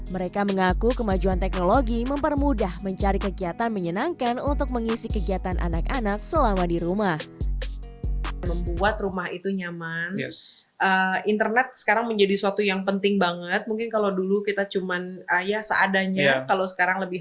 mereka mengaku kemajuan teknologi mempermudah mencari kegiatan menyenangkan untuk mengisi kegiatan anak anak selama di rumah